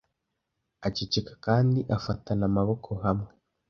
Aceceka kandi afatana amaboko hamwe.